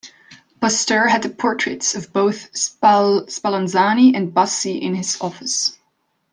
Pasteur had the portraits of both Spallanzani and Bassi in his office.